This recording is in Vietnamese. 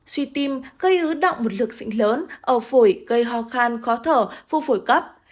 suy tim gây ứ động một lực dịnh lớn ầu phổi gây ho khan khó thở phu phổi cấp